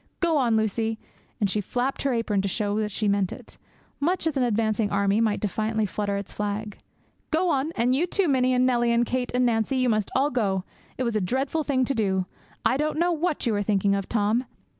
'Go on, Lucie,' and she flapped her apron to show that she meant it, much as an advancing army might defiantly flutter its flag. 'Go on; and you too, Minnie; and Nellie, and Kate, and Nancie; you must all go! It was a dreadful thing to do; I don't know what you were thinking of, Tom!'